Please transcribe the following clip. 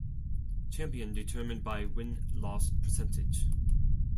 Champion determined by win-loss percentage.